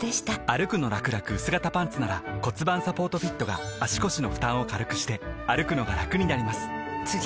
「歩くのらくらくうす型パンツ」なら盤サポートフィットが足腰の負担を軽くしてくのがラクになります覆个△